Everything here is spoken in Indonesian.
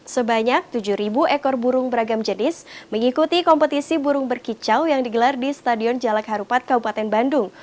sebanyak tujuh ekor burung beragam jenis mengikuti kompetisi burung berkicau yang digelar di stadion jalak harupat kabupaten bandung